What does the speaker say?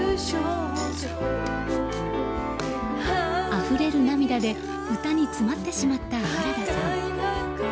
あふれる涙で歌に詰まってしまった原田さん。